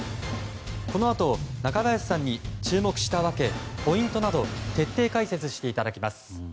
このあと中林さんに注目した訳ポイントなど徹底解説していただきます。